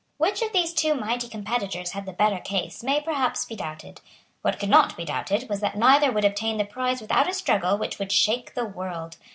Which of these two mighty competitors had the better case may perhaps be doubted. What could not be doubted was that neither would obtain the prize without a struggle which would shake the world.